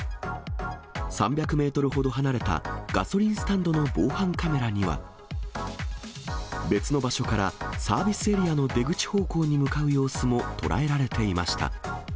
３００メートルほど離れたガソリンスタンドの防犯カメラには、別の場所からサービスエリアの出口方向に向かう様子も捉えられていました。